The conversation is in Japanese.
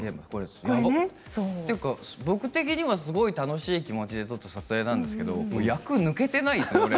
僕的にはすごい楽しい気持ちでやっていた撮影なんですけれども役が抜けていないですね、これ。